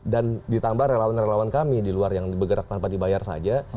dan ditambah relawan relawan kami di luar yang bergerak tanpa dibayar saja